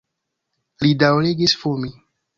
Li daŭrigis fumi.